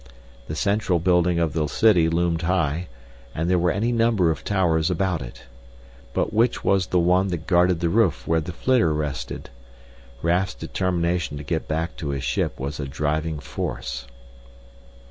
The central building of the city loomed high, and there were any number of towers about it. But which was the one that guarded the roof where the flitter rested? Raf's determination to get back to his ship was a driving force.